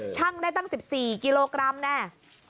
ได้ตั้ง๑๔กิโลกรัมแน่